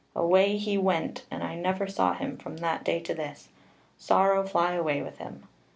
Away he went, and I never saw him from that day to this sorrow fly away with him!